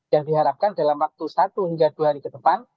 yang diharapkan dalam waktu satu hingga dua hari ke depan